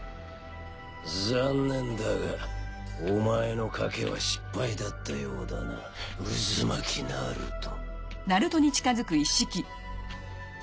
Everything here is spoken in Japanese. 残念だがお前の賭けは失敗だったようだなうずまきナルト。